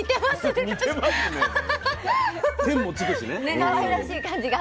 かわいらしい感じが。